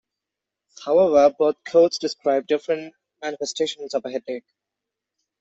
However, both quotes describe different manifestations of a headache.